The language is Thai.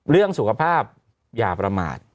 เรื่องสุขภาพอย่าประมาท